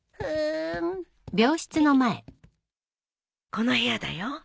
この部屋だよ。